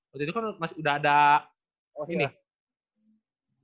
waktu itu kan udah ada ini